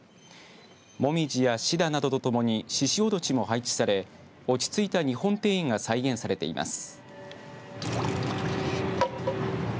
モミジやシダなどとともにししおどしも配置され落ち着いた日本庭園が再現されています。